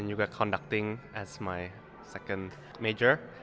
dan juga mengikuti sebagai majur kedua saya